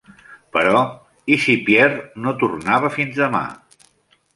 Però, i si Pierre no tornava fins demà.